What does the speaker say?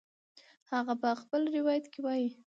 هغه په خپل روایت کې وایي